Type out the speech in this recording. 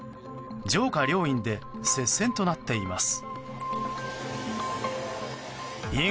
上下両院で接戦となっています。